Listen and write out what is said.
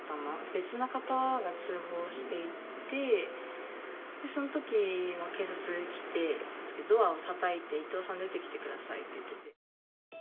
別の方が通報していて、そのとき、警察が来て、ドアをたたいて、伊藤さん、出てきてくださいって言ってて。